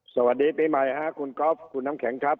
สวัสดีปีใหม่ค่ะคุณก๊อฟคุณน้ำแข็งครับ